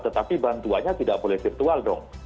tetapi bantuannya tidak boleh virtual dong